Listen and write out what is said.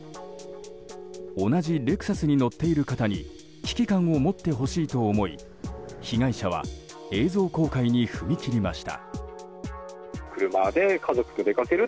同じレクサスに乗っている方に危機感を持ってほしいと思い被害者は映像公開に踏み切りました。